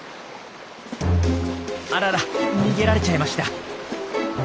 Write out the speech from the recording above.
あらら逃げられちゃいました。